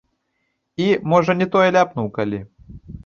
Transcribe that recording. І, можа, не тое ляпнуў калі.